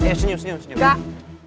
ya senyum senyum senyum